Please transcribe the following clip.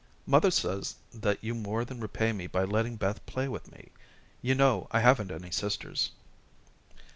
"Mother says that you more than repay me by letting Beth play with me. You know I haven't any sisters."